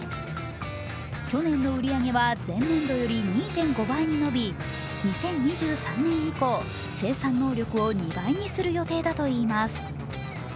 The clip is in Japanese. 去年の売り上げは前年度より２．５倍に伸び、２０２３年以降、生産能力を２倍にする予定だといいます。